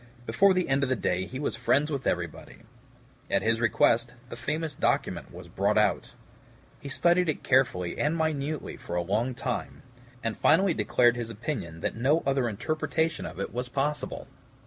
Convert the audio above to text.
Before the end of the day he was friends with everybody. At his request, the famous document was brought out. He studied it carefully and minutely for a long time, and finally declared his opinion that no other interpretation of it was possible.